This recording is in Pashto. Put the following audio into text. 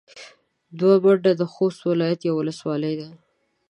دوه منده د خوست ولايت يوه ولسوالي ده.